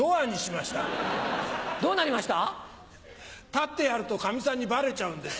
立ってやるとカミさんにバレちゃうんです。